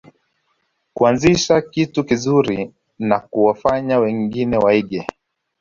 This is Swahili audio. Kuanzisha kitu kizuri na kuwafanya wengine waige